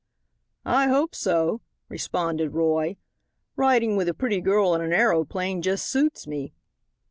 "I hope so," responded Roy, "riding with a pretty girl in an aeroplane just suits me."